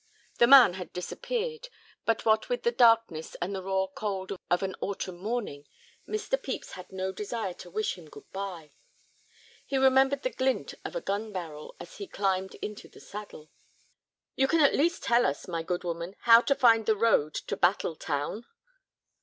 The man had disappeared, but what with the darkness and the raw cold of an autumn morning, Mr. Pepys had no desire to wish him good bye. He remembered the glint of a gun barrel as he climbed into the saddle. "You can at least tell us, my good woman, how to find the road to Battle Town?"